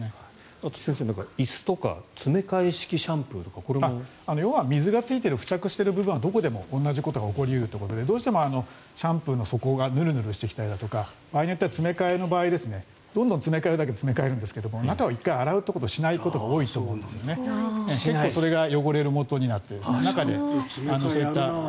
あと先生、椅子とか詰め替え式シャンプーとか用は水が付着してる部分は同じことが起こり得るということでどうしてもシャンプーの底がヌルヌルしてきたり場合によっては詰め替えの場合どんどん詰め替えるだけ詰め替えるんですけど中を洗うということはしないと思うんですがそれが汚れる原因となって中でそういった。